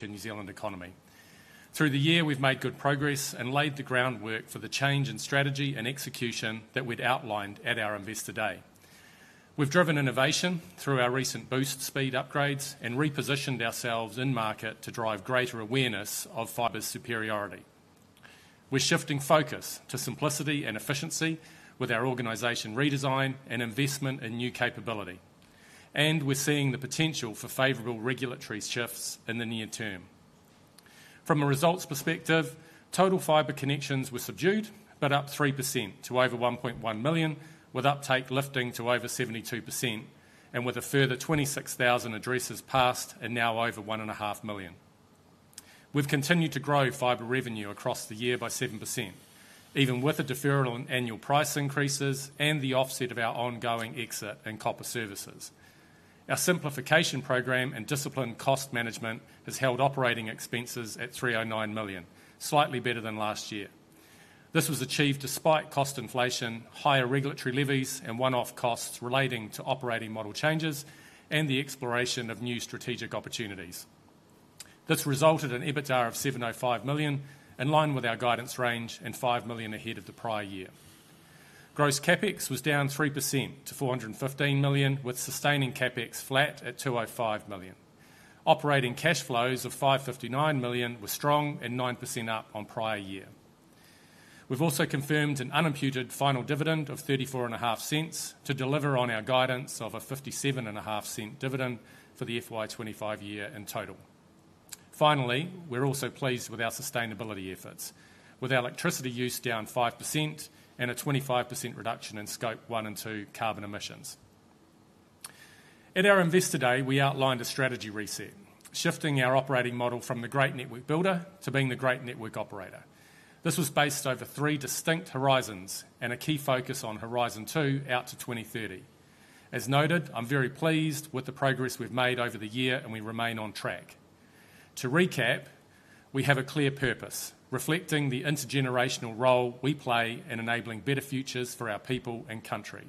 The New Zealand economy. Through the year we've made good progress and laid the groundwork for the change in strategy and execution that we'd outlined at our investor day. We've driven innovation through our recent boost speed upgrades and repositioned ourselves in market to drive greater awareness of fiber's superiority. We're shifting focus to simplicity and efficiency with our organization redesign and investment in new capability, and we're seeing the potential for favorable regulatory shifts in the near term. From a results perspective, total fiber connections were subdued but up 3% to over 1.1 million, with uptake lifting to over 72%, and with a further 26,000 addresses passed and now over 1.5 million, we've continued to grow fiber revenue across the year by 7% even with a deferral on annual price increases and the offset of our ongoing exit in copper services. Our simplification program and disciplined cost management has held operating expenses at 309 million, slightly better than last year. This was achieved despite cost inflation, higher regulatory levies, and one-off costs relating to operating model changes and the exploration of new strategic opportunities. This resulted in EBITDA of 705 million in line with our guidance range and 5 million ahead of the prior year. Gross CapEx was down 3% to 415 million, with sustaining CapEx flat at 205 million. Operating cash flows of 559 million were strong and 9% up on prior year. We've also confirmed an unimputed final dividend of 0.345 to deliver on our guidance of a 0.575 dividend for the FY2025 year in total. Finally, we're also pleased with our sustainability efforts, with our electricity use down 5% and a 25% reduction in scope carbon emissions. At our investor day we outlined a strategy reset, shifting our operating model from the great network builder to being the great network operator. This was based over three distinct horizons and a key focus on Horizon 2 out to 2030. As noted, I'm very pleased with the progress we've made over the year and we remain on track. To recap, we have a clear purpose reflecting the intergenerational role we play in enabling better futures for our people and country,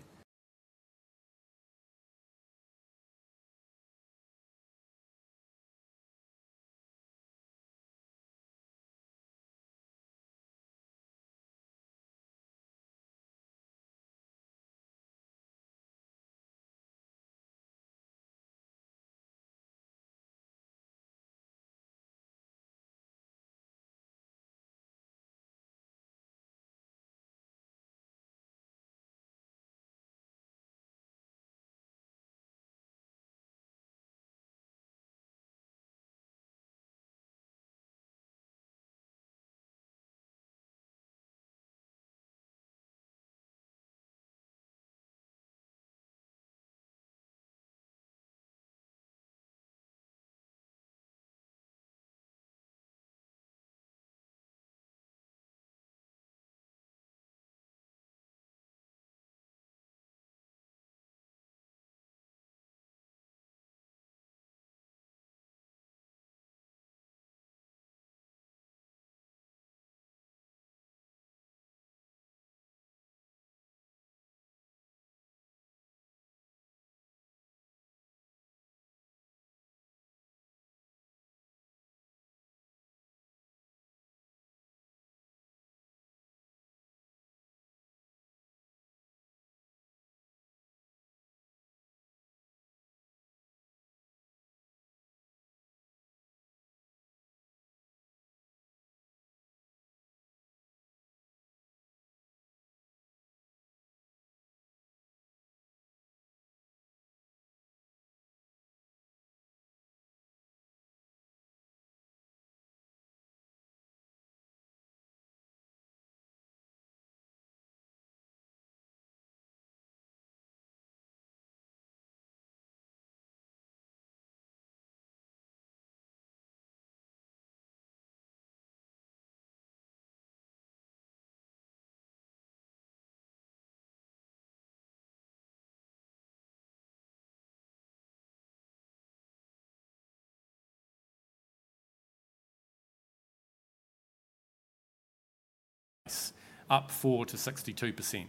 up 4% to 62%.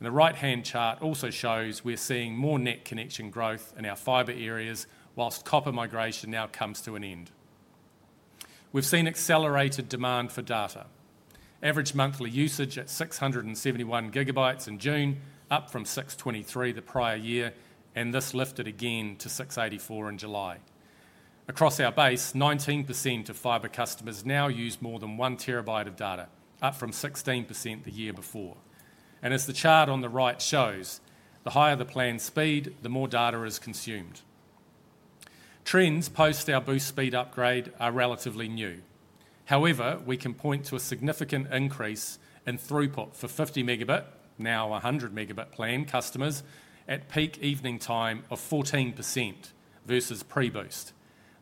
The right-hand chart also shows we're seeing more net connection growth in our fiber areas. Whilst copper migration now comes to an end, we've seen accelerated demand for data, average monthly usage at 671 GB in June, up from 623 GB the prior year, and this lifted again to 684 GB in July. Across our base, 19% of fiber customers now use more than 1 TB of data, up from 16% the year before. As the chart on the right shows, the higher the plan speed, the more data is consumed. Trends post our boost speed upgrade are relatively new. However, we can point to a significant increase in throughput for 50 Mb, now 100 Mb, plan customers at peak evening time of 14% versus pre-boost.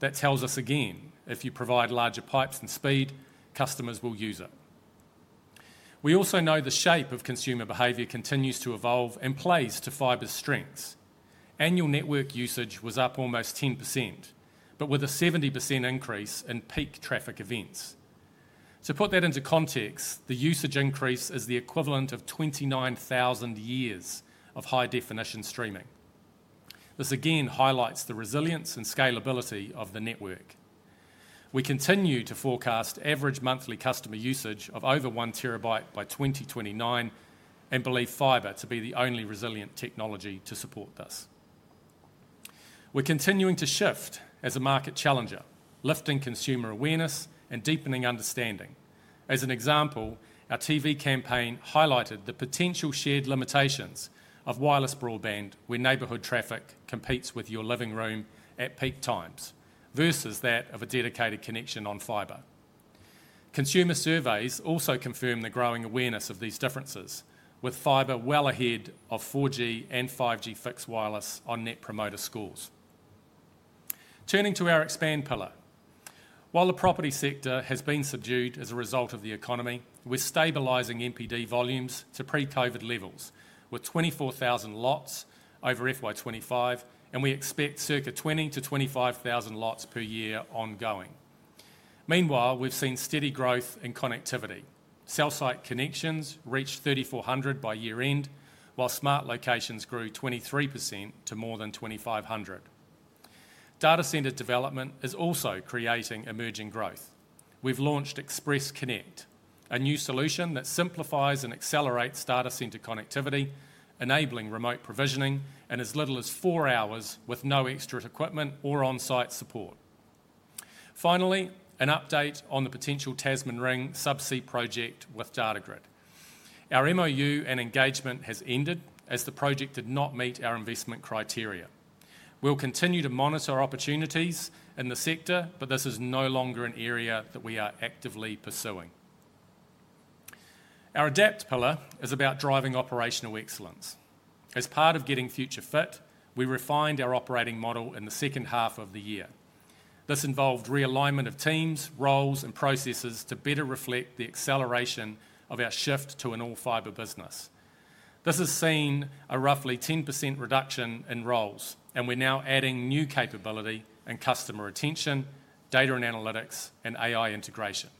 That tells us again if you provide larger pipes and speed, customers will use it. We also know the shape of consumer behavior continues to evolve and plays to fiber's strengths. Annual network usage was up almost 10% with a 70% increase in peak traffic events. To put that into context, the usage increase is the equivalent of 29,000 years of high definition streaming. This again highlights the resilience and scalability of the network. We continue to forecast average monthly customer usage of over 1 TB by 2029 and believe fiber to be the only resilient technology to support this. We're continuing to shift as a market challenger, lifting consumer awareness and deepening understanding. As an example, our TV campaign highlighted the potential shared limitations of wireless broadband where neighborhood traffic competes with your living room at peak times versus that of a dedicated connection on fiber. Consumer surveys also confirm the growing awareness of these differences, with fiber well ahead of 4G and 5G fixed wireless on net promoter scores. Turning to our Expand pillar, while the property sector has been subdued as a result of the economy, we're stabilizing NPD volumes to pre-COVID levels with 24,000 lots over FY2025 and we expect circa 20,000 lots-25,000 lots per year ongoing. Meanwhile, we've seen steady growth in connectivity. Cell site connections reached 3,400 by year end while smart locations grew 23% to more than 2,500. Data center development is also creating emerging growth. We've launched Express Connect, a new solution that simplifies and accelerates data center connectivity, enabling remote provisioning in as little as four hours with no extra equipment or on-site support. Finally, an update on the potential Tasman Ring subsea project with Datagrid. Our MOU and engagement has ended as the project did not meet our investment criteria. We'll continue to monitor opportunities in the sector, but this is no longer an area that we are actively pursuing. Our Adapt pillar is about driving operational excellence as part of getting future fit. We refined our operating model in the second half of the year. This involved realignment of teams, roles, and processes to better reflect the acceleration of our shift to an all fiber business. This has seen a roughly 10% reduction in roles and we're now adding new capability in customer retention, data and analytics, and AI integration.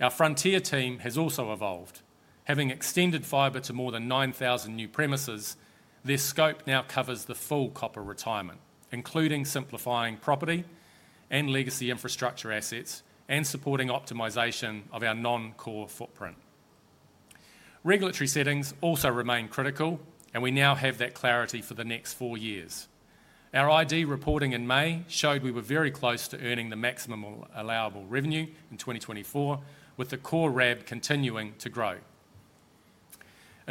Our Frontier team has also evolved, having extended fiber to more than 9,000 new premises. Their scope now covers the full copper retirement, including simplifying property and legacy infrastructure assets and supporting optimization of our non-core footprint. Regulatory settings also remain critical, and we now have that clarity for the next four years. Our ID reporting in May showed we were very close to earning the maximum allowable revenue in 2024, with the core RAB continuing to grow.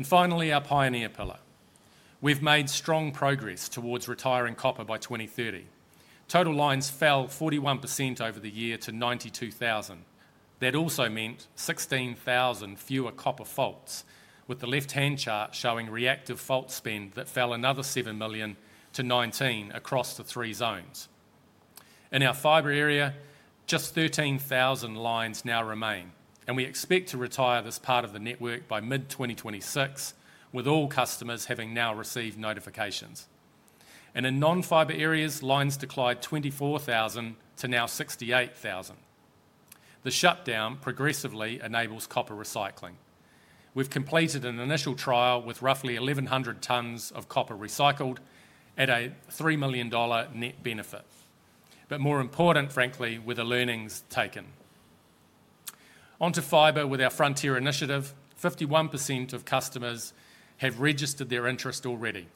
Finally, our Pioneer pillar, we've made strong progress towards retiring copper. By 2030, total lines fell 41% over the year to 92,000. That also meant 16,000 fewer copper faults, with the left-hand chart showing reactive fault spend that fell another 7 million to 19 million across the three zones. In our fiber area, just 13,000 lines now remain and we expect to retire this part of the network by mid-2026, with all customers having now received notifications. In non-fiber areas, lines declined 24,000 to now 68,000. The shutdown progressively enables copper cable recycling. We've completed an initial trial with roughly 1,100 tons of copper recycled and at a 3 million dollar net benefit. More important, frankly, were the learnings taken onto fiber. With our Frontier Initiative, 51% of customers have registered their interest. Already,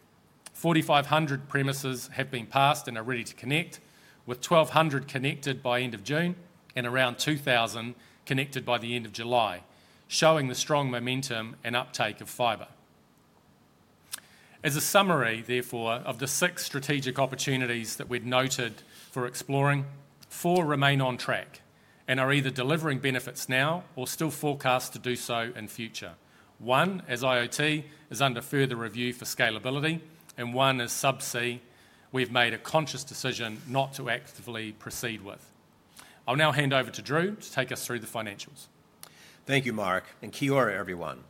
4,500 premises have been passed and are ready to connect, with 1,200 connected by end of June and around 2,000 connected by the end of July, showing the strong momentum and uptake of fiber. As a summary, therefore, of the six strategic opportunities that we'd noted for exploring, four remain on track and are either delivering benefits now or still forecast to do so in future. One, as IoT, is under further review for scalability and one, as subsea, we've made a conscious decision not to actively proceed with. I'll now hand over to Drew to take us through the financials. Thank you Mark and Kia Ora everyone.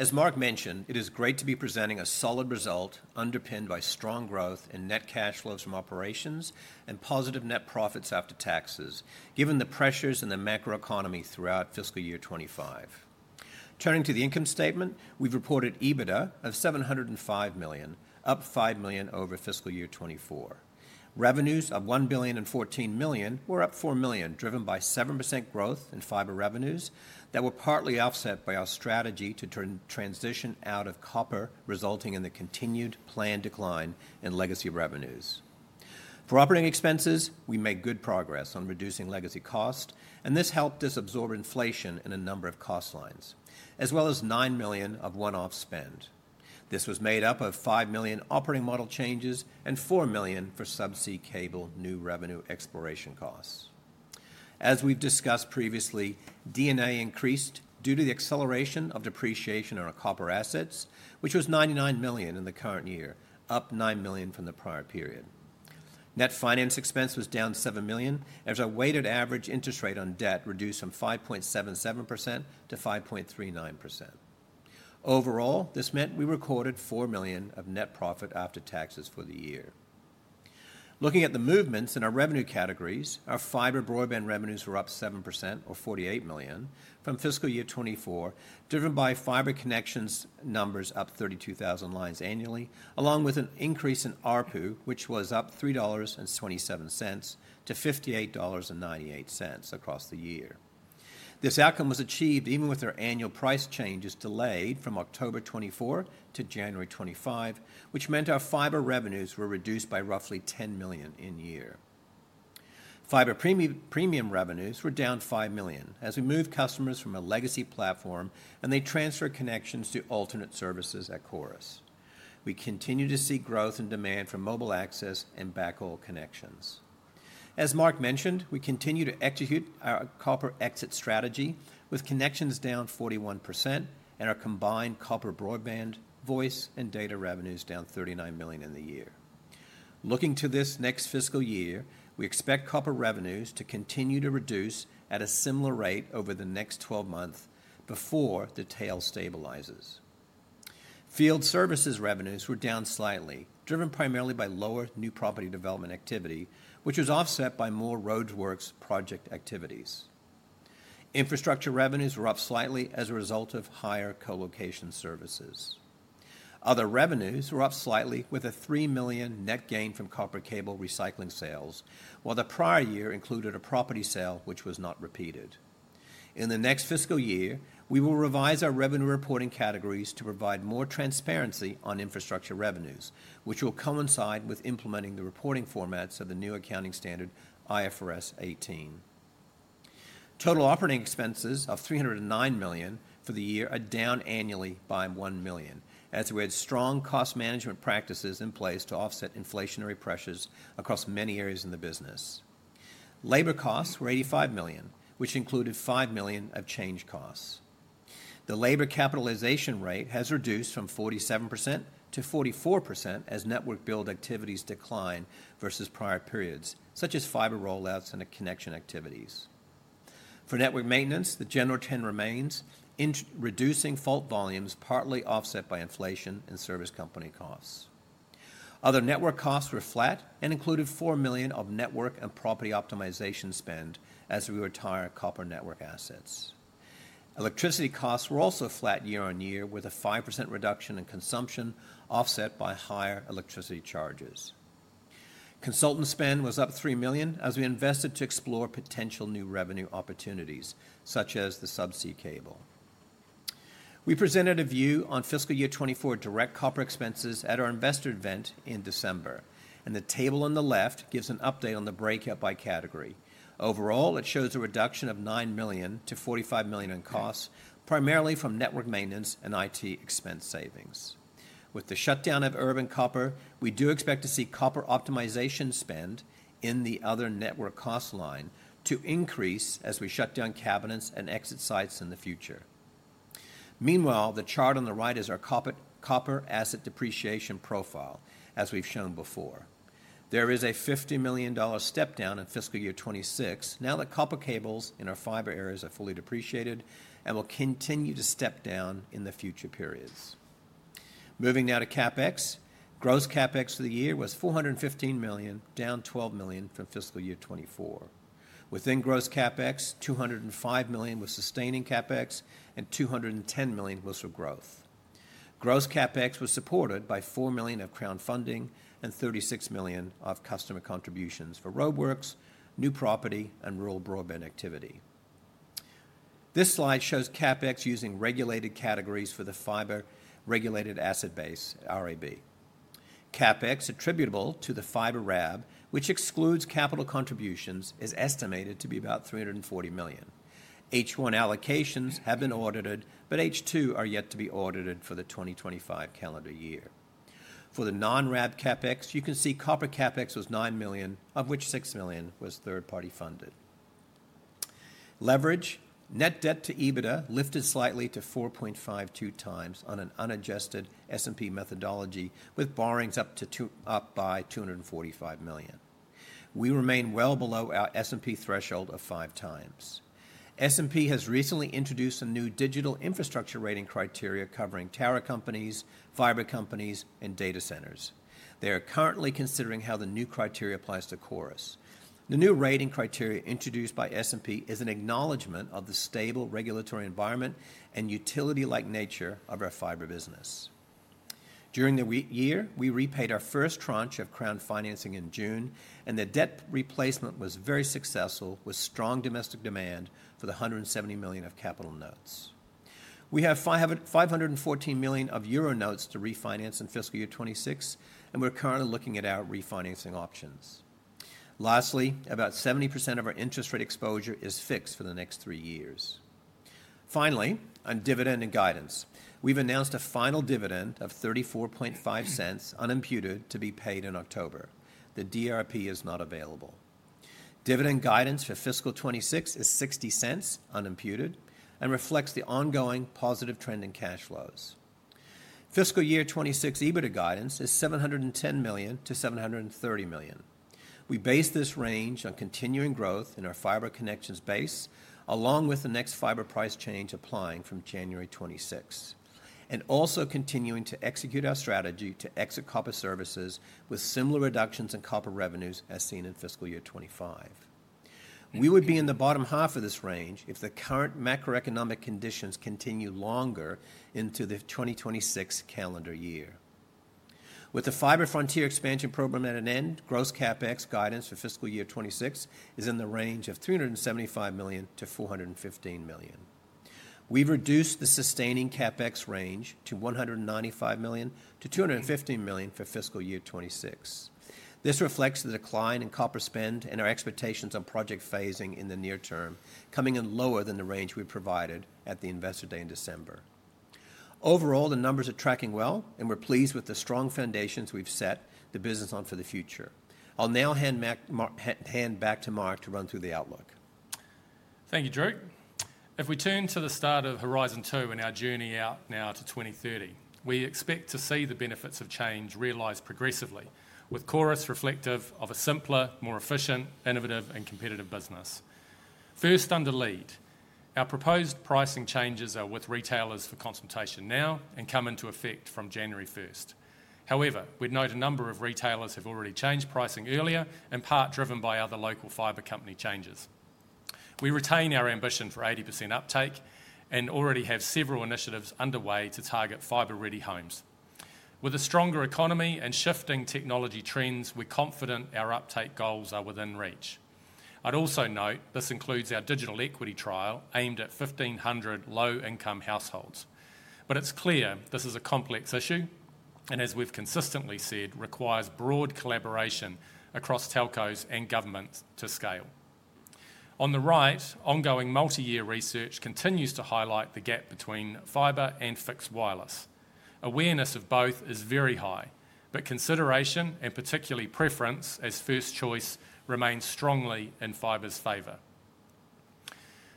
As Mark mentioned, it is great to be presenting a solid result underpinned by strong growth and net cash flows from operations and positive net profits after taxes, given the pressures in the macroeconomic conditions throughout fiscal year 2025. Turning to the income statement, we've reported EBITDA of 705 million, up 5 million over fiscal year 2024. Revenues of 1.014 billion were up 4 million, driven by 7% growth in fiber revenues that were partly offset by our strong strategy to transition out of copper, resulting in the continued planned decline in legacy revenues. For operating expenses, we made good progress on reducing legacy cost and this helped us absorb inflation in a number of cost lines as well as 9 million of one-off spend. This was made up of 5 million operating model changes and 4 million for subsea cable new revenue exploration costs as we've discussed previously. DNA increased due to the acceleration of depreciation on our copper assets, which was 99 million in the current year, up 9 million from the prior period. Net finance expense was down 7 million as our weighted average interest rate on debt reduced from 5.77% to 5.39%. Overall, this meant we recorded 4 million of net profit after taxes for the year. Looking at the movements in our revenue categories, our fiber broadband revenues were up 7% or 48 million from fiscal year 2024, driven by fiber connections numbers up 32,000 lines annually along with an increase in ARPU, which was up 3.27 dollars to 58.98 dollars across the year. This outcome was achieved even with our annual price changes delayed from October 2024 to January 2025, which meant our fiber revenues were reduced by roughly 10 million in year. Fiber premium revenues were down 5 million as we moved customers from a legacy platform and they transfer connections to alternate services. At core, we continue to see growth and demand for mobile access and backhaul connections. As Mark mentioned, we continue to execute our copper exit strategy with connections down 41% and our combined copper broadband, voice, and data revenues down 39 million in the year. Looking to this next fiscal year, we expect copper revenues to continue to reduce at a similar rate over the next 12 months before the tail stabilizes. Field services revenues were down slightly, driven primarily by lower new property development activity, which was offset by more roadworks project activities. Infrastructure revenues were up slightly as a result of higher colocation services. Other revenues were up slightly with a 3 million net gain from copper cable recycling sales while the prior year included a property sale which was not repeated. In the next fiscal year we will revise our revenue reporting categories to provide more transparency on infrastructure revenues, which will coincide with implementing the reporting formats of the new accounting standard IFRS 18. Total operating expenses of 309 million for the year are down annually by 1 million as we had strong cost management practices in place to offset inflationary pressures across many areas in the business. Labor costs were 85 million, which included 5 million of change costs. The labor capitalization rate has reduced from 47% to 44% as network build activities decline versus prior periods such as fiber rollouts and connection activities. For network maintenance, the general trend remains reducing fault volumes, partly offset by inflation and service company costs. Other network costs were flat and included 4 million of network and property optimization spend as we retire copper network assets. Electricity costs were also flat year-on-year with a 5% reduction in consumption offset by higher electricity charges. Consultant spend was up 3 million as we invested to explore potential new revenue opportunities such as the subsea cable. We presented a view on fiscal year 2024 direct copper expenses at our investor event in December, and the table on the left gives an update on the breakout by category. Overall, it shows a reduction of 9 million to 45 million in costs, primarily from network maintenance and IT expense savings with the shutdown of urban copper. We do expect to see copper optimization spend in the other network cost line to increase as we shut down cabinets and exit sites in the future. Meanwhile, the chart on the right is our copper asset depreciation profile. As we've shown before, there is a 50 million dollar step down in fiscal year 2026 now. The copper cables in our fiber areas are fully depreciated and will continue to step down in the future periods. Moving now to CapEx, gross CapEx for the year was 415 million, down 12 million from fiscal year 2024. Within gross CapEx, 205 million was sustaining CapEx and 210 million was for growth. Gross CapEx was supported by NZD 4 million of crowdfunding and 36 million of customer contributions for roadworks, new property, and rural broadband activity. This slide shows CapEx using regulated categories for the fiber regulated asset base (RAB). CapEx attributable to the fiber RAB, which excludes capital contributions, is estimated to be about 340 million. H1 allocations have been audited, but H2 are yet to be audited for the 2025 calendar year. For the non-RAB CapEx, you can see copper CapEx was 9 million, of which 6 million was third party funded. Leverage net debt to EBITDA lifted slightly to 4.52x on an unadjusted S&P methodology. With borrowings up by 245 million, we remain well below our S&P threshold of 5x. S&P has recently introduced some new digital infrastructure rating criteria covering tower companies, fiber companies, and data centers. They are currently considering how the new criteria applies to Chorus. The new rating criteria introduced by S&P is an acknowledgement of the stable regulatory environment and utility-like nature of our fiber business. During the year, we repaid our first tranche of Crown financing in June and the debt replacement was very successful with strong domestic demand for the 170 million of capital notes. We have 514 million of euro notes to refinance in fiscal year 2026 and we're currently looking at our refinancing options. Lastly, about 70% of our interest rate exposure is fixed for the next three years. Finally, on dividend and guidance, we've announced a final dividend of 0.345 unimputed to be paid in October. The DRP is not available. Dividend guidance for fiscal 2026 is 0.60 unimputed and reflects the ongoing positive trend in cash flows. Fiscal year 2026 EBITDA guidance is 710 million-730 million. We base this range on continuing growth in our fiber connections base along with the next fiber price change applying from January 2026 and also continuing to execute our strategy to exit copper services with similar reductions in copper revenues as seen in fiscal year 2025. We would be in the bottom half of this range if the current macro-economic conditions continue longer into the 2026 calendar year. With the Fibre Frontier expansion program at an end, gross CapEx guidance for fiscal year 2026 is in the range of 375 million-415 million. We've reduced the sustaining CapEx range to 195 million-215 million for fiscal year 2026. This reflects the decline in copper spend and in the near term coming in lower than the range we provided at the Investor Day in December. Overall, the numbers are tracking well, and we're pleased with the strong foundations we've set the business on for the future. I'll now hand back to Mark to run through the outlook. Thank you, Drew. If we turn to the start of Horizon 2 and our journey out now to 2030, we expect to see the benefits of change realized progressively with Chorus reflective of a simpler, more efficient, innovative, and competitive business. First, under lead, our proposed pricing changes are with retailers for consultation now and come into effect from January 1st. However, we'd note a number of retailers have already changed pricing earlier, in part driven by other local fiber company changes. We retain our ambition for 80% uptake and already have several initiatives underway to target fiber-ready homes. With a stronger economy and shifting technology trends, we're confident our uptake goals are within reach. I'd also note this includes our digital equity trial aimed at 1,500 low-income households, but it's clear this is a complex issue and as we've consistently said requires broad collaboration across telcos and governments to scale on the right. Ongoing multi-year research continues to highlight the gap between fiber and fixed wireless. Awareness of both is very high, but consideration and particularly preference as first choice remains strongly in fiber's favor.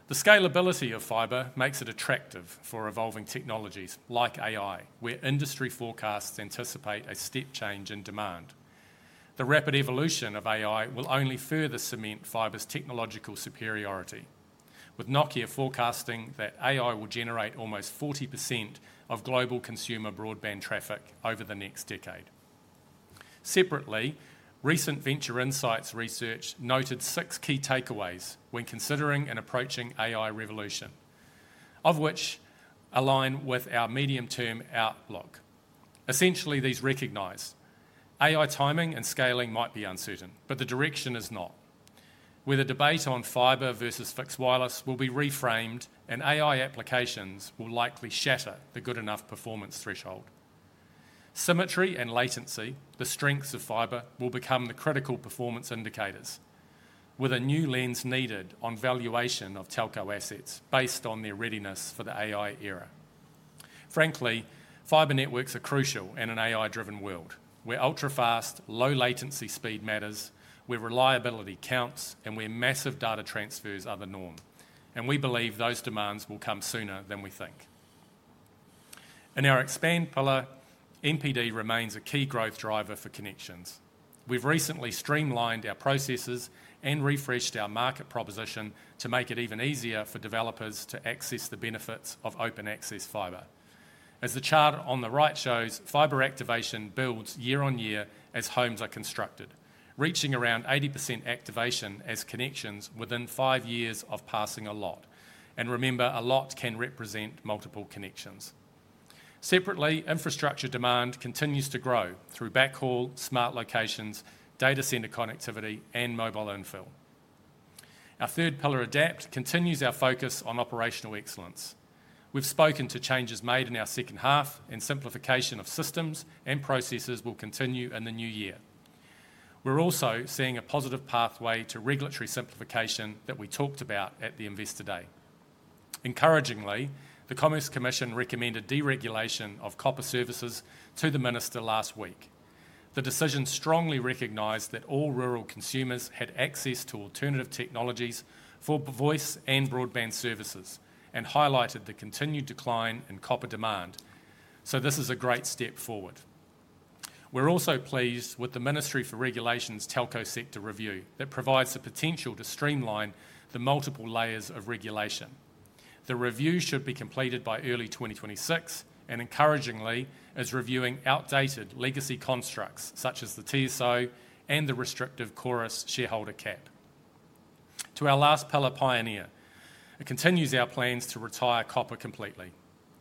The scalability of fiber makes it attractive for evolving technologies like AI, where industry forecasts anticipate a step change in demand. The rapid evolution of AI will only further cement fiber's technological superiority, with Nokia forecasting that AI will generate almost 40% of global consumer broadband traffic over the next decade. Separately, recent Venture Insights research noted six key takeaways when considering and approaching AI revolution, of which align with our medium-term outlook. Essentially, these recognize AI timing and scaling might be uncertain, but the direction is not, where the debate on fiber versus fixed wireless will be reframed and AI applications will likely shatter the good enough performance threshold. Symmetry and latency, the strengths of fiber, will become the critical performance indicators, with a new lens needed on valuation of telco assets based on their readiness for the AI era. Frankly, fiber networks are crucial in an AI-driven world where ultra-fast, low-latency speed matters, where reliability counts, and where massive data transfers are the norm, and we believe those demands will come sooner than we think. In our Expand pillar, NPD remains a key growth driver for connections. We've recently streamlined our processes and refreshed our market proposition to make it even easier for developers to access the benefits of open access fiber. As the chart on the right shows, fiber activation builds year-on-year as homes are constructed, reaching around 80% activation as connections within five years of passing a lot, and remember a lot can represent multiple connections separately. Infrastructure demand continues to grow through backhaul, smart locations, data center connectivity, and mobile infill. Our third pillar, adapt, continues our focus on operational excellence. We've spoken to changes made in our second half, and simplification of systems and processes will continue in the new year. We're also seeing a positive pathway to regulatory simplification that we talked about at the Investor Day. Encouragingly, the Commerce Commission recommended deregulation of copper services to the Minister last week. The decision strongly recognized that all rural consumers had access to alternative technologies for voice and broadband services and highlighted the continued decline in copper demand. This is a great step forward. We're also pleased with the Ministry for Regulation's Telco sector review that provides the potential to streamline the multiple layers of regulation. The review should be completed by early 2026 and, encouragingly, is reviewing outdated legacy constructs such as the TSO and the restrictive Chorus shareholder cap. To our last pillar, Pioneer, it continues our plans to retire copper completely.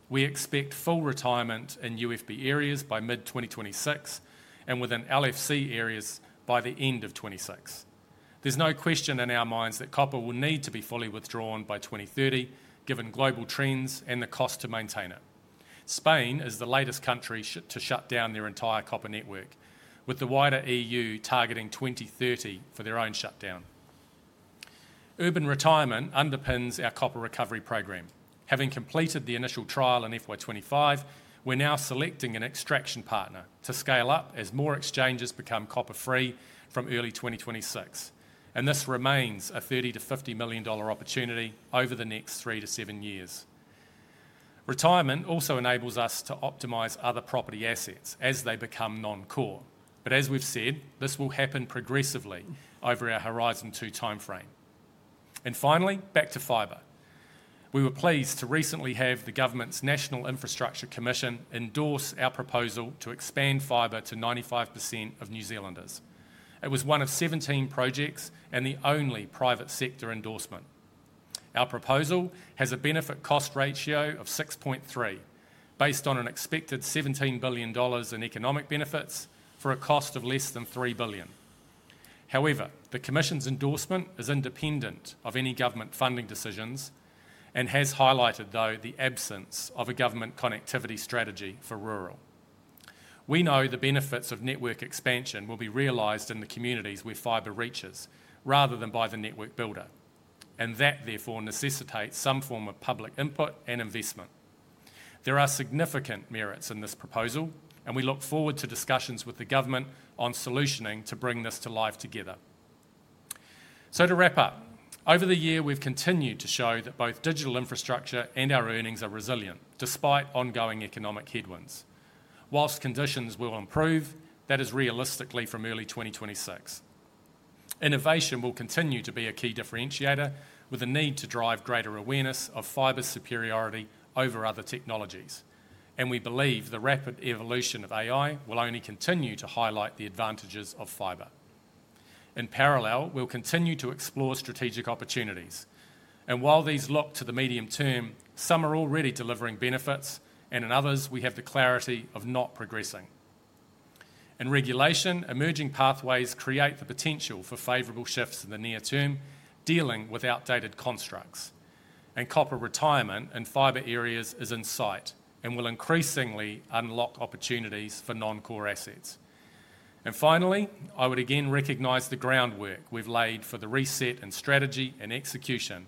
We expect full retirement in UFB areas by mid-2026 and within LFC areas by the end of 2026. There's no question in our minds that copper will need to be fully withdrawn by 2030, given global trends and the cost to maintain it. Spain is the latest country to shut down their entire copper network, with the wider EU targeting 2030 for their own shutdown. Urban retirement underpins our copper recovery program. Having completed the initial trial in FY2025, we're now selecting an extraction partner to scale up as more exchanges become copper free from early 2026, and this remains a 30 million-50 million dollar opportunity over the next three to seven years. Retirement also enables us to optimize other property assets as they become non-core. As we've said, this will happen progressively over our Horizon 2 time frame, and finally back to fiber. We were pleased to recently have the Government's National Infrastructure Commission endorse our proposal to expand fiber to 95% of New Zealanders. It was one of 17 projects and the only private sector endorsement. Our proposal has a benefit cost ratio of 6.3, based on an expected 17 billion dollars in economic benefits for a cost of less than 3 billion. However, the Commission's endorsement is independent of any government funding decisions and has highlighted, though, the absence of a government connectivity strategy for rural. We know the benefits of network expansion will be realized in the communities where fiber reaches rather than by the network builder, and that therefore necessitates some form of public input and investment. There are significant merits in this proposal and we look forward to discussions with the government on solutioning to bring this to life together. To wrap up, over the year we've continued to show that both digital infrastructure and our earnings are resilient despite ongoing economic headwinds. Whilst conditions will improve, that is realistically from early 2026, innovation will continue to be a key differentiator with the need to drive greater awareness of fiber's superiority over other technologies. We believe the rapid evolution of AI will only continue to highlight the advantages of fiber. In parallel, we'll continue to explore strategic opportunities and while these look to the medium term, some are already delivering benefits and in others we have the clarity of not progressing in regulation. Emerging pathways create the potential for favorable shifts in the near term. Dealing with outdated constructs and copper retirement in fiber areas is in sight and will increasingly unlock opportunities for non-core assets. Finally, I would again recognize the groundwork we've laid for the reset in strategy and execution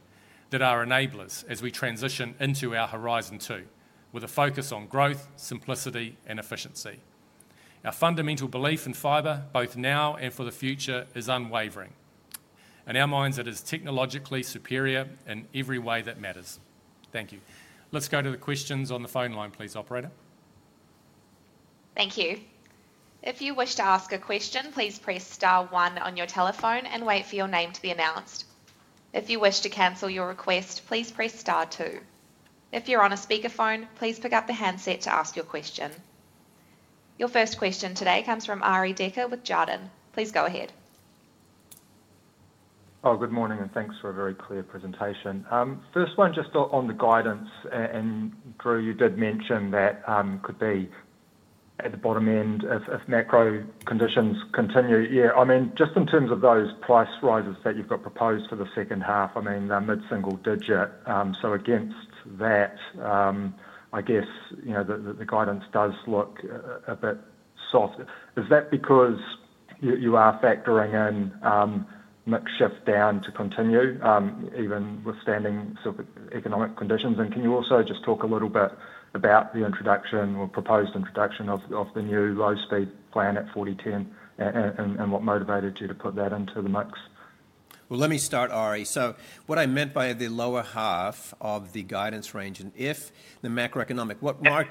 that are enablers as we transition into our horizon two with a focus on growth, simplicity, and efficiency. Our fundamental belief in fiber both now and for the future is unwavering. In our minds it is technologically superior in every way that matters. Thank you. Let's go to the questions on the phone line, please. Operator. Thank you. If you wish to ask a question, please press star one on your telephone and wait for your name to be announced. If you wish to cancel your request, please press star two. If you're on a speakerphone, please pick up the handset to ask your question. Your first question today comes from Arie Dekker with Jarden. Please go ahead. Oh, good morning and thanks for a very clear presentation. First one, just on the guidance and Drew, you did mention that could be at the bottom end if macro-economic conditions continue. Yeah, I mean just in terms of those price rises that you've got proposed for the second half, I mean the mid single digit. Against that I guess the guidance does look a bit soft. Is that because you are factoring in mix shift down to continue even withstanding economic conditions? Can you also just talk a little bit about the introduction or proposed introduction of the new low speed plan at 4010 and what motivated you to put that into the mix? Let me start, Arie. What I meant by the lower half of the guidance range, and if the macro-economic, what Mark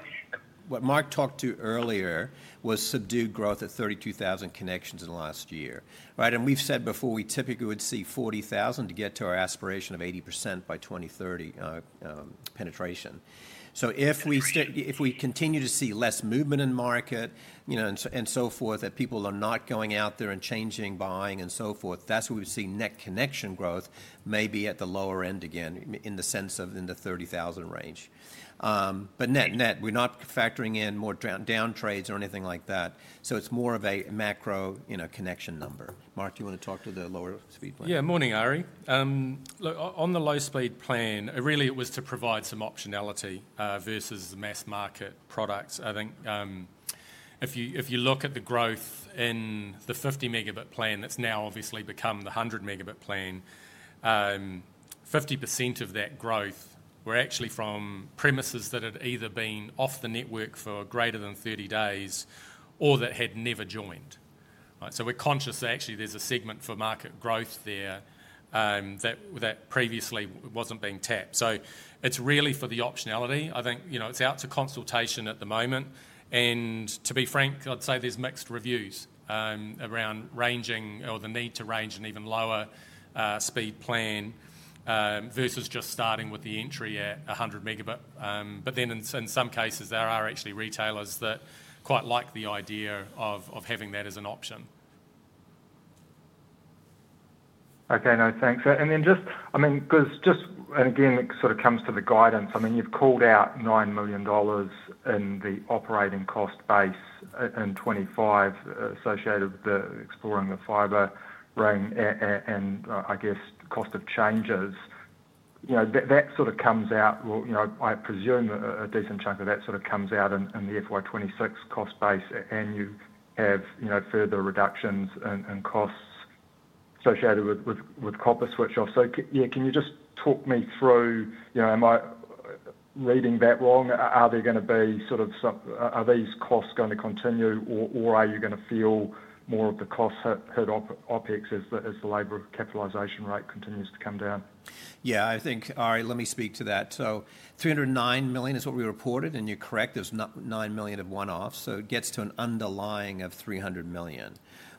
talked to earlier was subdued growth at 32,000 connections in the last year. Right. We've said before we typically would see 40,000 to get to our aspiration of 80% by 2030 penetration. If we continue to see less movement in market and so forth, that people are not going out there and changing buying and so forth, that's where we see net connection growth be at the lower end again in the sense of in the 30,000 range. Net net, we're not factoring in more down trades or anything like that. It's more of a macro connection number. Mark, do you want to talk to the lower speed plan? Yeah. Morning Arie. On the low speed plan, really it was to provide some optionality versus the mass market products. I think if you look at the growth in the 50 Mb plan that's now obviously become the 100 Mb plan, 50% of that growth were actually from premises that had either been off the network for greater than 30 days or that had never joined. We're conscious that actually there's a segment for market growth there that previously wasn't being tapped. It's really for the optionality. I think it's out to consultation at the moment, and to be frank, I'd say there's mixed reviews around ranging or the need to range an even lower speed plan versus just starting with the entry at 100 Mb. In some cases, there are actually retailers that quite like the idea of having that as an option. No, thanks. I mean, because just, and again it sort of comes to the guidance. I mean you've called out 9 million dollars in the operating cost base in 2025 associated with exploring the fiber ring and, I guess, cost of changes. That sort of comes out, I presume, a decent chunk of that sort of comes out in the FY2026 cost base and you have further reductions in costs associated with copper switch off. Can you just talk me through, am I reading that wrong? Are these costs going to continue or are you going to feel more of the costs hit OpEx as the labor capitalization rate continues to come down? Yeah, I think Arie, let me speak to that. 309 million is what we reported and you're correct there's 9 million of one offs, so it gets to an underlying of 300 million.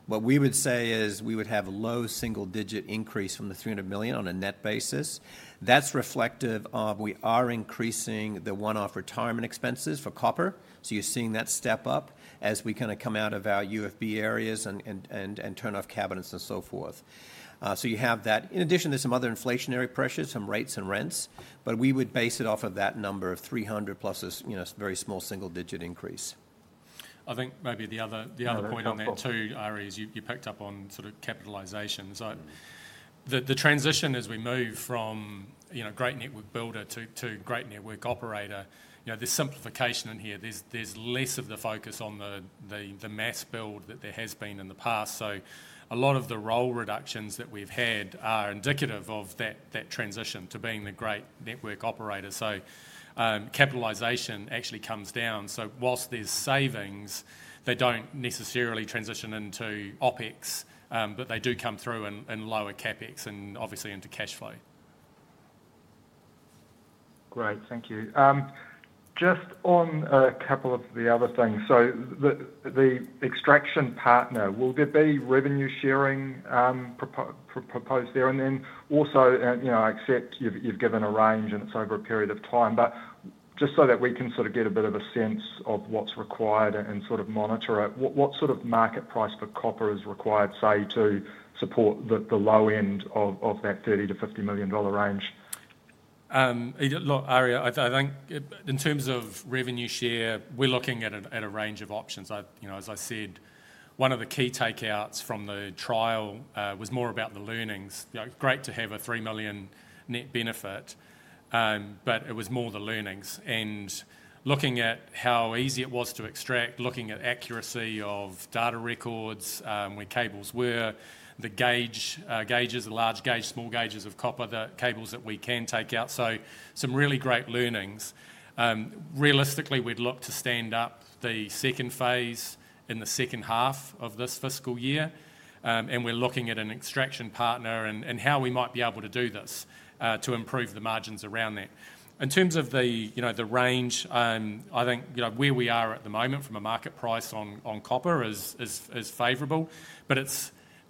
What we would say is we would have low single digit increase from the 300 million on a net basis. That's reflective of we are increasing the one off retirement expenses for copper. You're seeing that step up as we kind of come out of our UFB areas and turn off cabinets and so forth. You have that. In addition, there's some other inflationary pressures, some rates and rents, but we would base it off of that number of 300 million+ very small single digit increase. I think maybe the other point on that too, Arie, is you picked up on sort of capitalization, the transition as we move from great network builder to great network operator. The simplification in here, there's less of the focus on the mass build that there has been in the past. A lot of the role reductions that we've had are indicative of that transition to being the great network operator. Capitalization actually comes down. Whilst there's savings, they don't necessarily transition into OpEx, but they do come through and lower CapEx and obviously into cash flow. Great, thank you. Just on a couple of the other things. The extraction partner, will there be revenue sharing proposed there, and then also, you've given a range and it's over a period of time, but just so that we can sort of get a bit of a sense of what's required and sort of monitor it, what sort of market price for copper is required, say, to support the low end of that 30 million-50 million dollar range? Look, Arie, I think in terms of revenue share, we're looking at a range of options. As I said, one of the key takeouts from the trial was more about the learnings. It's great to have a 3 million net benefit, but it was more the learnings and looking at how easy it was to extract, looking at accuracy of data records, where cables were, the gauges, the large gauge, small gauges of copper, the cables that we can take out. Some really great learnings. Realistically, we'd look to stand up the second phase in the second half of this fiscal year and we're looking at an extraction partner and how we might be able to do this to improve the margins around that in terms of the, you know, the range. I think where we are at the moment from a market price on copper is favorable, but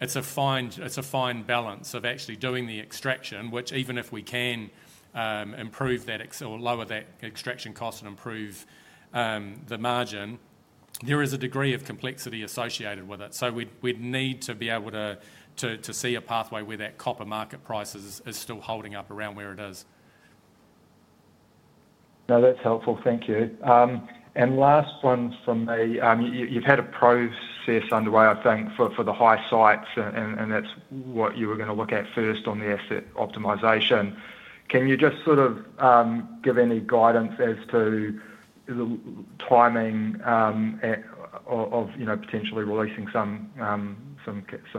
it's a fine balance of actually doing the extraction, which even if we can improve that or lower that extraction cost and improve the margin, there is a degree of complexity associated with it. We'd need to be able to see a pathway where that copper market price is still holding up around where it is now. That's helpful. Thank you. Last one from me, you've had a process underway, I think, for the high sites and that's what you were going to look at first on the asset optimization. Can you just give any guidance as to the timing of potentially releasing some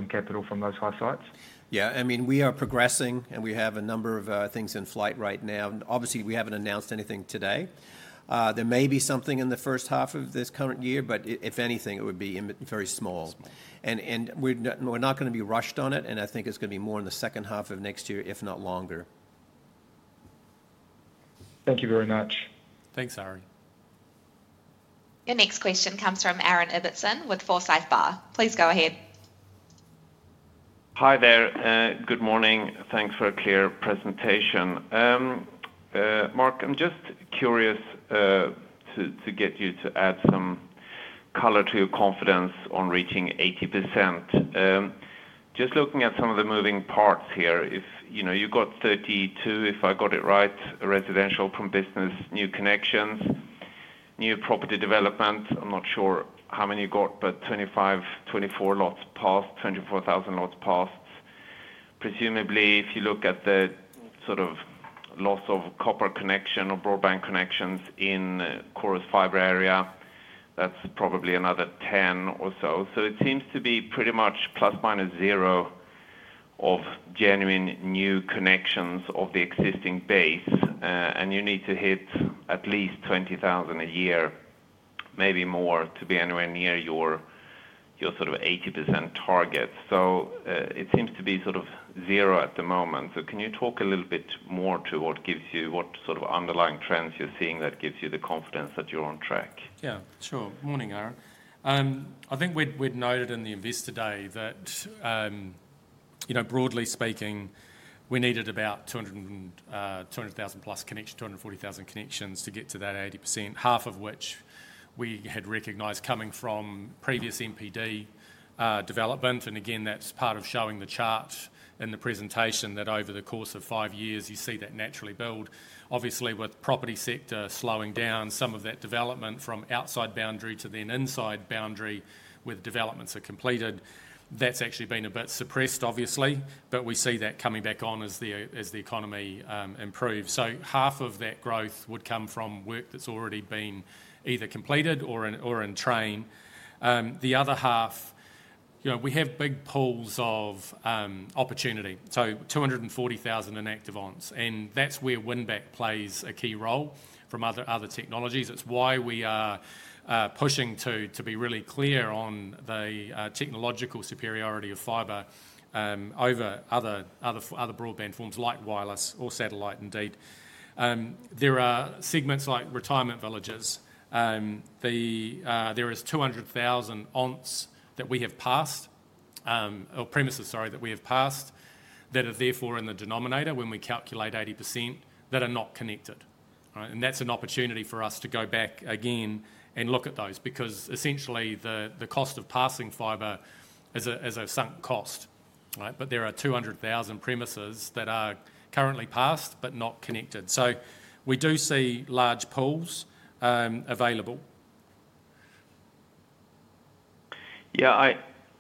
capital from those high sites? Yeah, I mean, we are progressing and we have a number of things in flight right now, and obviously we haven't announced anything today. There may be something in the first half of this current year, but if anything it would be very small, and we're not going to be rushed on it. I think it's going to be more in the second half of next year, if not longer. Thank you very much. Thanks, Ari. Your next question comes from Aaron Ibbotson with Forsyth Bar. Please go ahead. Hi there. Good morning. Thanks for a clear presentation, Mark. I'm just curious to get you to add some color to your confidence on reaching 80%. Just looking at some of the moving parts here. If you know you got 32, if I got it right, residential from business, new connections, new property developments. I'm not sure. How many you got? But 25 lots, 24 lots passed. 24,000 lots passed. Presumably, if you look at the sort of loss of copper connection or broadband connections in Chorus fiber area, that's probably another 10 or so. It seems to be pretty much plus, minus zero of genuine new connections of the existing base. You need to hit at least 20,000 a year, maybe more, to be anywhere near your sort of 80% target. It seems to be sort of zero at the moment. Can you talk a little bit more to what gives you, what sort of underlying trends you're seeing that gives you the confidence that you're on track? Yeah, sure. Morning, Aaron. I think we'd noted in the Investor Day that, broadly speaking, we needed about 200,000+ connections, 240,000 connections to get to that 80%, half of which we had recognized coming from previous NPD development. That's part of showing the chart in the presentation, that over the course of five years, you see that naturally build, obviously, with property sector slowing down some of that development from outside boundary to then inside boundary where the developments are completed. That's actually been a bit suppressed, obviously, but we see that coming back on as the economy improves. Half of that growth would come from work that's already been either completed or in train. The other half, we have big pools of opportunity. So, 240,000 in active ONTs, and that's where windback plays a key role from other technologies. It's why we are pushing to be really clear on the technological superiority of fiber over other broadband forms like wireless or satellite. Indeed, there are segments like retirement villages. There is 200,000 ONTs that we have passed, or premises—sorry, that we have passed, that are therefore in the denominator when we calculate 80% that are not connected. That's an opportunity for us to go back again and look at those. Essentially, the cost of passing fiber is a sunk cost. Right. There are 200,000 premises that are currently passed but not connected. We do see large pools available.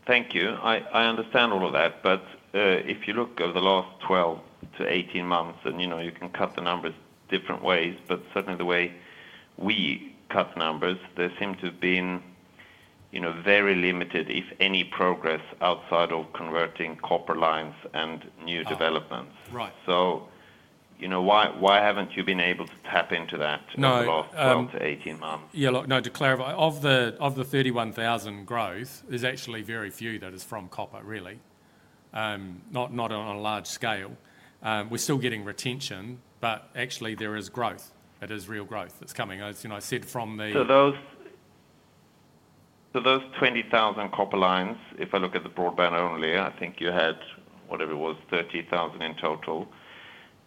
Thank you. I understand all of that, but if you look over the last 12 months-18 months, you can cut the numbers different ways, but certainly the way we cut numbers there seem to have been very limited, if any, progress outside of converting copper lines and new developments. Why haven't you been able to tap into that? No. To 18 months? Yeah, look, to clarify, of the 31,000 growth, there's actually very few that is from copper, really. Not on a large scale. We're still getting retention, but actually there is growth. It is real growth that's coming, as you know, I said from the. Those 20,000 copper lines, if I look at the broadband only, I think you had whatever it was, 30,000 in total.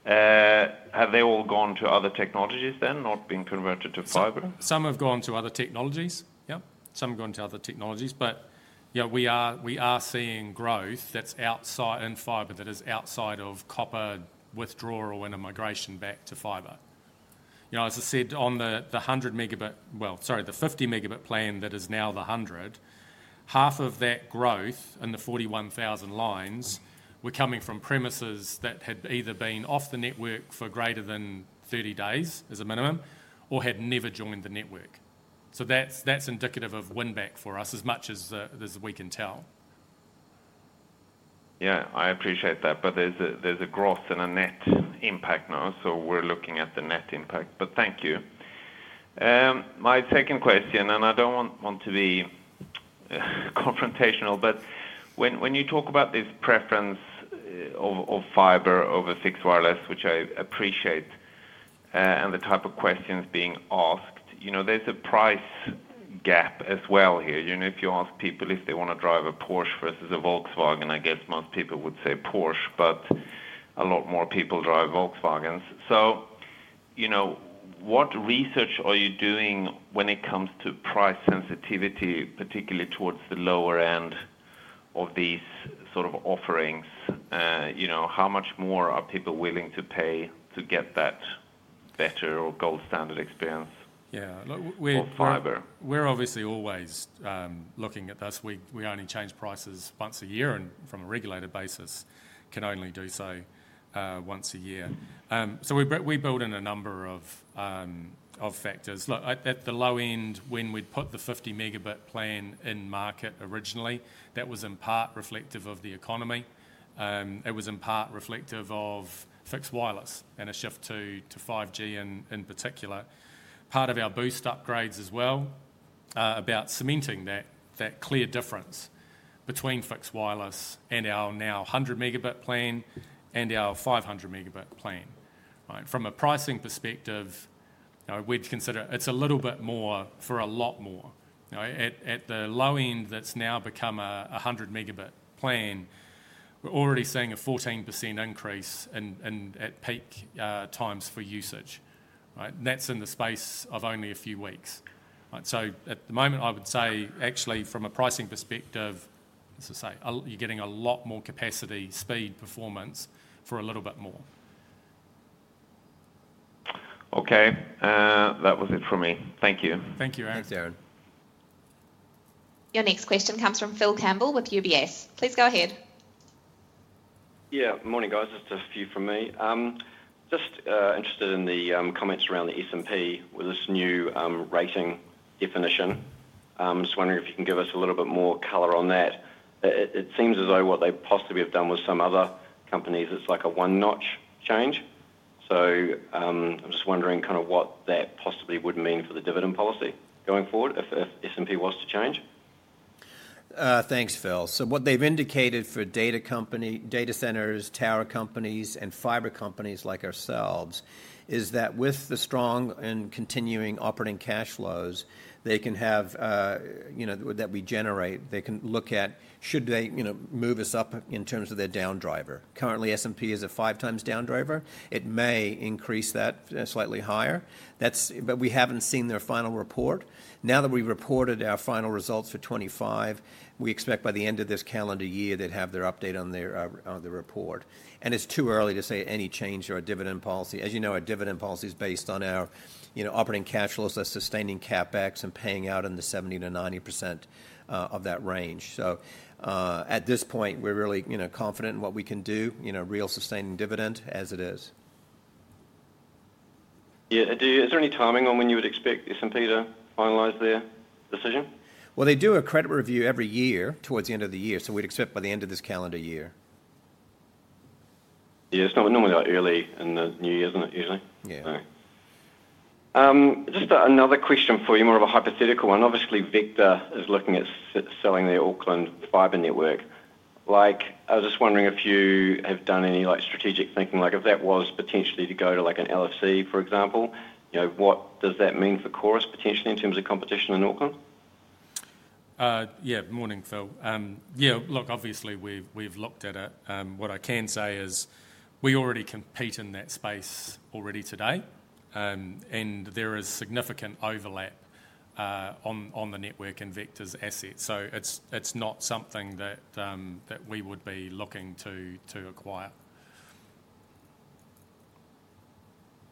Have they all gone to other technologies then? Not been converted to fiber? Some have gone to other technologies, yep, some have gone to other technologies. We are seeing growth that's outside in fiber, that is outside of copper withdrawal and a migration back to fiber. As I said on the 100 Mb, sorry, the 50 Mb plan that is now the 100 Mb, half of that growth in the 41,000 lines were coming from premises that had either been off the network for greater than 30 days as a minimum or had never joined the network. That's indicative of win back for us, as much as we can tell. Yeah, I appreciate that, but there's a gross and a net impact now. We're looking at the net impact, but thank you. My second question, I don't want to be confrontational, but when you talk about this preference of fiber over fixed wireless, which I appreciate and the type of questions being asked, there's a price gap as well here. If you ask people if they want to drive a Porsche versus a Volkswagen, I guess most people would say Porsche, but a lot more people drive Volkswagen. What research are you doing when it comes to price sensitivity, particularly towards the lower end of these offerings? How much more are people willing to pay to get that better or gold standard experience? Yeah, we're obviously always looking at this. We only change prices once a year, and from a regulated basis can only do so once a year. We build in a number of factors. At the low end, when we'd put the 50 Mb plan in market originally, that was in part reflective of the economy. It was in part reflective of fixed wireless and a shift to 5G, in particular part of our boost upgrades as well, about cementing that clear difference between fixed wireless and our now 100 Mb plan and our 500 Mb plan. From a pricing perspective, we'd consider it's a little bit more for a lot more at the low end that's now become 100 Mb plan. We're already seeing a 14% increase at peak times for usage. That's in the space of only a few weeks. At the moment, I would say actually from a pricing perspective you're getting a lot more capacity, speed, performance for a little bit more. Okay, that was it for me. Thank you. Thank you. Your next question comes from Phil Campbell with UBS. Please go ahead. Yeah, morning guys. Just a few from me. Just interested in the comments around S&P with this new rating definition. I'm just wondering if you can give us a little bit more color on that. It seems as though what they possibly have done with some other companies, it's like a one notch change. I'm just wondering what that possibly would mean for the dividend policy going forward if S&P was to change. Thanks, Phil. What they've indicated for data centers, tower companies, and fiber companies like ourselves is that with the strong and continuing operating cash flows we generate, they can look at whether they move us up in terms of their down driver. Currently, S&P is a 5x down driver; it may increase that slightly higher. We haven't seen their final report. Now that we've reported our final results for 2025, we expect by the end of this calendar year they'd have their update on their report. It's too early to say any change to our dividend policy. As you know, our dividend policy is based on our operating cash flows, that sustaining CapEx, and paying out in the 70%-90% of that range. At this point, we're really confident in what we can do, real sustaining dividend as it is. Yeah. Is there any timing on when you would expect S&P to finalize their decision? They do a credit review every year towards the end of the year, so we'd expect by the end of this calendar year. Yeah, normally early in the new year, isn't it? Usually, yeah. Just another question for you, more of a hypothetical one. Obviously, Vector is looking at selling their Auckland fiber network. I was just wondering if you have done any strategic thinking, if that was potentially to go to an LFC, for example, what does that mean for Chorus potentially in terms of competition in Auckland? Yeah. Morning, Phil. Look, obviously we've looked at it. What I can say is we already compete in that space already today, and there is significant overlap on the network and Vector's assets. It's not something that we would be looking to acquire.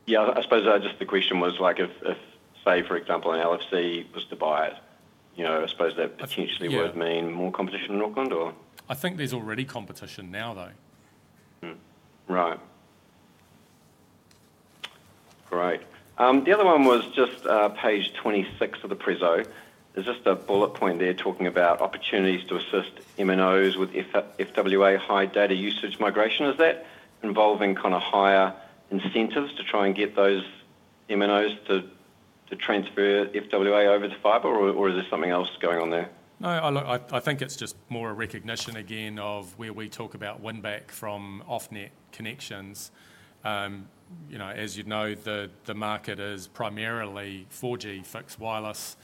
I suppose the question was like if, if say for example an LFC was to buy it, I suppose that potentially would mean more competition in Auckland or. I think there's already competition now, though. Right. Right. The other one was just page 26 of the prezzo is just a bullet point there, talking about opportunities to assist MNOs with FWA high data usage migration. Is that involving kind incentives to try and get those MNOs to transfer FWA over to fiber or is there something else going on there? No, I think it's just more a recognition again of where we talk about win back from off net connections. As you know, the market is primarily 4G fixed wireless,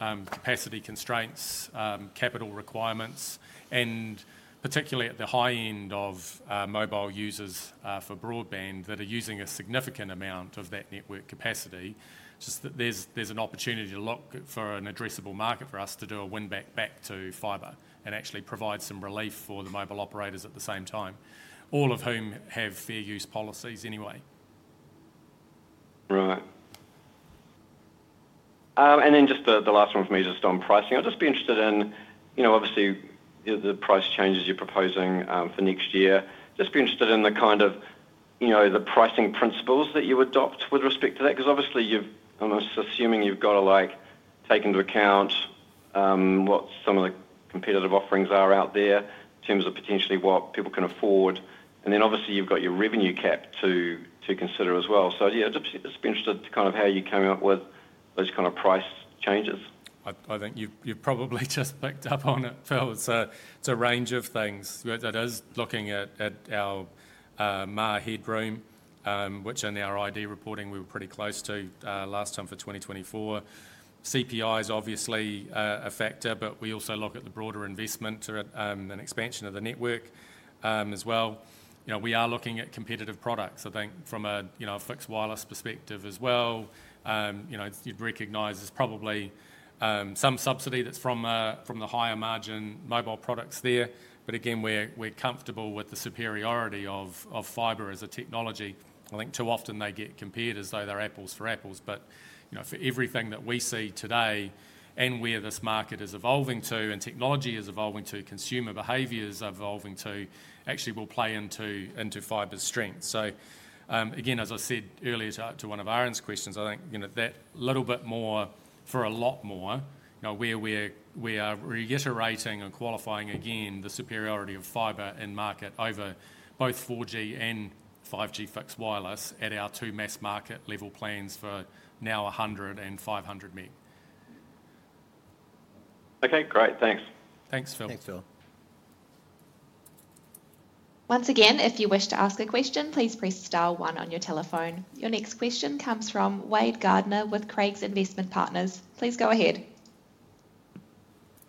capacity constraints, capital requirements, and particularly at the high end of mobile users for broadband that are using a significant amount of that network capacity. Just that there's an opportunity to look for an addressable market for us to do a win back back to fiber and actually provide some relief for the mobile operators at the same time. All of whom have fair use policies anyway. Right. Just the last one for me, just on pricing, I'd just be interested in, you know, obviously the price changes you're proposing for next year. I'd be interested in the kind of, you know, the pricing principles that you adopt with respect to that. Obviously you've almost assuming you've got to take into account what some of the competitive offerings are out there in terms of potentially what people can afford, and then obviously you've got your revenue cap to consider as well. I'd be interested to kind of how you came up with those kind of price changes. I think you've probably just picked up on it, Phil. It's a range of things that is looking at our MAR headroom, which in our ID reporting we were pretty close to last time for 2024. CPI is obviously a factor, but we also look at the broader investment and expansion of the network as well. We are looking at competitive products. I think from a fixed wireless perspective as well, you'd recognize there's probably some subsidy that's from the higher margin mobile products there. We're comfortable with the superiority of fiber as a technology. I think too often they get compared as though they're apples for apples. For everything that we see today and where this market is evolving to and technology is evolving to, consumer behavior is evolving to actually will play into fiber's strength. As I said earlier to one of Aaron's questions, I think that little bit more for a lot more, we are reiterating and qualifying again the superiority of fiber in market over both 4G and 5G fixed wireless at our two mass market level plans for now, 100 Mbps and 500 Mbps. Okay, great, thanks. Thanks Phil. Thanks Phil. Once again, if you wish to ask a question, please press star one on your telephone. Your next question comes from Wade Gardiner with Craigs Investment Partners. Please go ahead.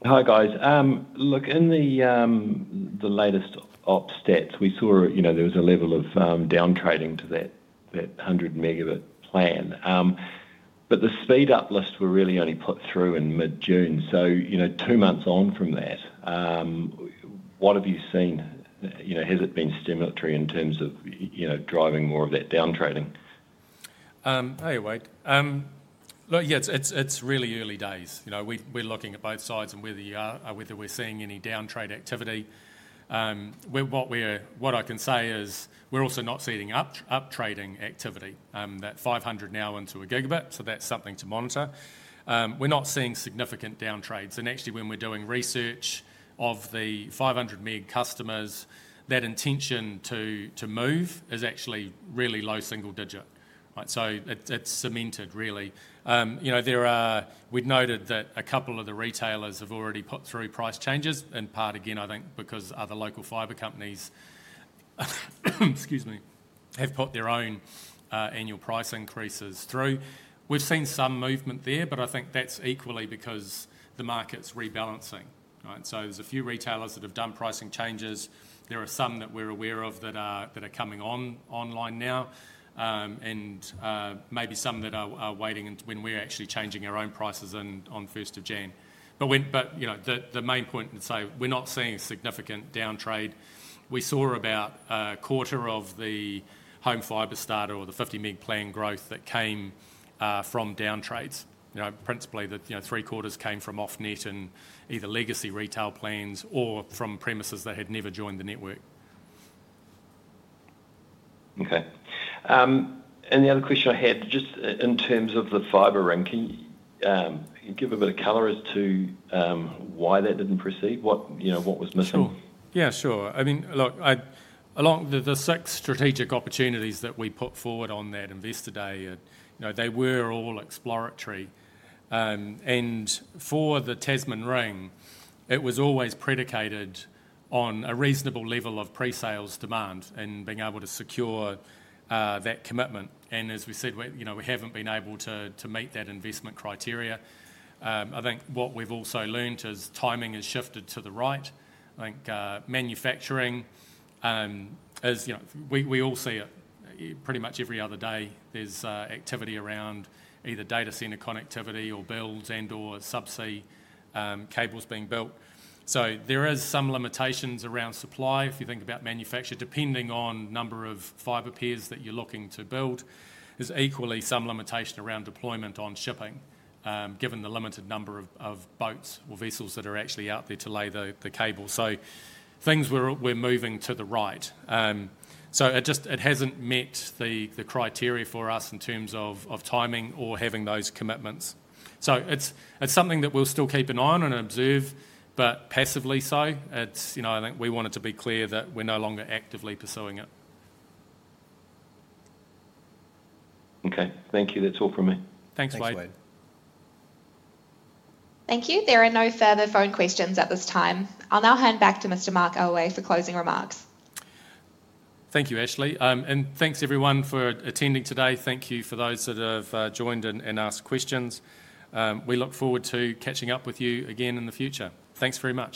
Hi guys. In the latest op stats we saw there was a level of down trading to that 100 Mb plan, but the speed uplifts were really only put through in mid June. Two months on from that, what have you seen? Has it been stimulatory in terms of driving more of that down trading? Hey Wade, look, it's really early days. We're looking at both sides and whether we're seeing any down trade activity. What I can say is we're also not seeing up trading activity, that 500 Mb now into 1 Gb. That's something to monitor. We're not seeing significant downtrades, and actually when we're doing research of the 500 Mbps customers, that intention to move is actually really low single digit. It's cemented really. We'd noted that a couple of the retailers have already put through price changes, in part again I think because other local fiber companies, excuse me, have put their own annual price increases through. We've seen some movement there, but I think that's equally because the market's rebalancing. There are a few retailers that have done pricing changes. There are some that we're aware of that are coming online now, and maybe some that are waiting when we're actually changing our own prices on 1st of January. The main point is we're not seeing a significant downtrade. We saw about a quarter of the home fiber starter or the 50 Mb plan growth that came from down trades. Principally, three quarters came from off net and either legacy retail plans or from premises that had never joined the network. Okay, the other question I had just in terms of the fiber ring, can you give a bit of color as to why that didn't proceed? What was missing? Yeah, sure. I mean look, along the six strategic opportunities that we put forward on that Investor Day, they were all exploratory, and for the Tasman Ring it was always predicated on a reasonable level of pre-sales demand and being able to secure that commitment. As we said, we haven't been able to meet that investment criteria. I think what we've also learned is timing has shifted to the right. I think manufacturing, as you know, we all see it pretty much every other day. There's activity around either data center connectivity or builds and or subsea cables being built. There are some limitations around supply. If you think about manufacture, depending on the number of fiber pairs that you're looking to build, there's equally some limitation around deployment on shipping given the limited number of boats or vessels that are actually out there to lay the cable. Things are moving to the right. It hasn't met the criteria for us in terms of timing or having those commitments. It's something that we'll still keep an eye on and observe, but passively. I think we want it to be clear that we're no longer actively pursuing it. Okay, thank you. That's all from me. Thanks, Wade. Thank you. There are no further phone questions at this time. I'll now hand back to Mr. Mark Aue for closing remarks. Thank you, Ashley, and thanks everyone for attending today. Thank you for those that have joined and asked questions. We look forward to catching up with you again in the future. Thanks very much.